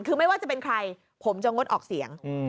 คือไม่ว่าจะเป็นใครผมจะงดออกเสียง